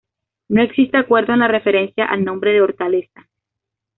No existe acuerdo en la referencia al nombre de Hortaleza.